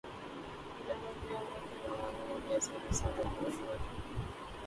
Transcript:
General Zia ul Haq کے زمانے میں بھی ایسا ہی مسئلہ درپیش ہوا تھا۔